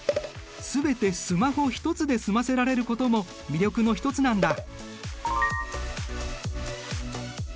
全てスマホ一つで済ませられることも魅力の一つなんだ。